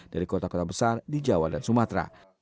dari kota kota besar di jawa dan sumatera